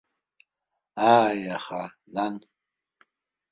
Ааи аха, нан.